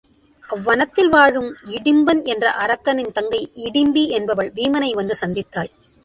அவ்வனத்தில் வாழும் இடிம்பன் என்ற அரக்கனின் தங்கை இடிம்பி என்பவள் வீமனை வந்து சந்தித்தாள்.